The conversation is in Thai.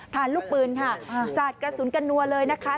ทานลูกปืนศาสตร์กระสุนกันวนะครับ